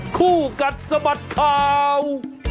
คู่กัดสะบัดข่าว